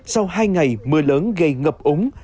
sau hai ngày mưa lớn gây kích thước